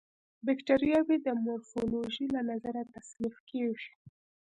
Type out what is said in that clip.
باکټریاوې د مورفولوژي له نظره تصنیف کیږي.